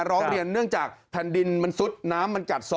ร้องเรียนเนื่องจากแผ่นดินมันซุดน้ำมันกัดซ้อ